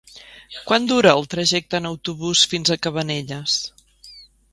Quant dura el trajecte en autobús fins a Cabanelles?